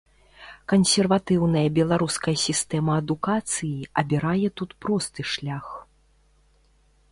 Кансерватыўная беларуская сістэма адукацыі абірае тут просты шлях.